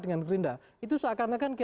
dengan gerinda itu seakan akan